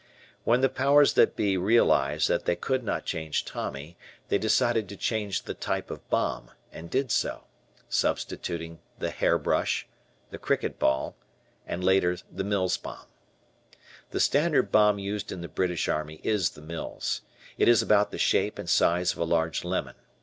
When the powers that be realized that they could not change Tommy, they decided to change the type of bomb and did so substituting the "hair brush," the "cricket ball," and later the Mills bomb. The standard bomb used in the British Army is the "Mills." It is about the shape and size of a large lemon.